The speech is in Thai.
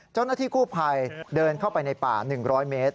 เจ้าหน้าที่กู้ภัยเดินเข้าไปในป่า๑๐๐เมตร